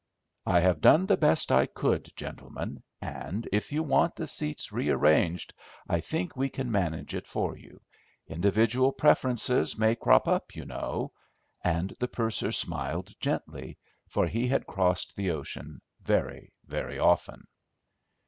I have done the best I could, gentlemen, and, if you want the seats rearranged, I think we can manage it for you. Individual preferences may crop up, you know." And the purser smiled gently, for he had crossed the ocean very, very often.